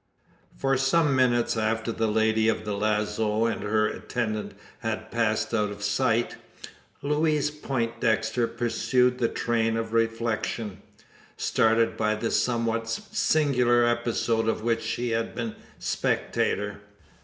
For some minutes after the lady of the lazo and her attendant had passed out of sight, Louise Poindexter pursued the train of reflection started by the somewhat singular episode of which she had been spectator.